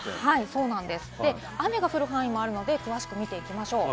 雨が降る範囲もあるので詳しく見ていきましょう。